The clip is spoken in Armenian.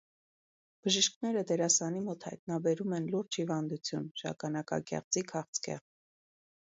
Բժիշկները դերասանի մոտ հայտնաբերում են լուրջ հիվանդություն՝ շագանակագեղձի քաղցկեղ։